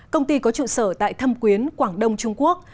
công ty có trụ sở tại thâm quyến quảng đông trung quốc